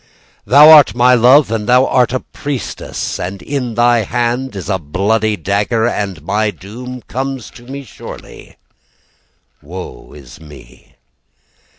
Thou art my love, And thou art a priestess, And in they hand is a bloody dagger, And my doom comes to me surely Woe is me.